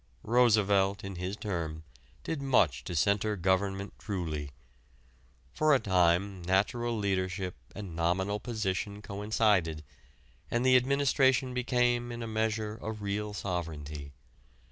Roosevelt in his term did much to center government truly. For a time natural leadership and nominal position coincided, and the administration became in a measure a real sovereignty.